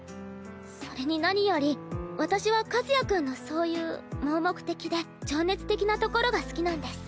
それに何より私は和也君のそういう盲目的で情熱的なところが好きなんです。